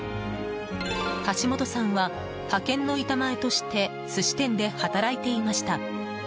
橋本さんは派遣の板前として寿司店で働いていました。